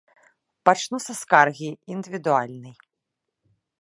Пачну са скаргі індывідуальнай.